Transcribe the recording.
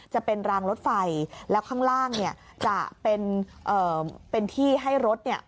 จะเป็นรางรถไฟแล้วข้างล่างเนี่ยจะเป็นเอ่อเป็นที่ให้รถเนี่ย